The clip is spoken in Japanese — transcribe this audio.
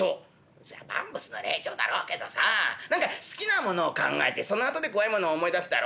「そりゃ万物の霊長だろうけどさ何か好きなものを考えてそのあとで怖いものを思い出すだろ？」。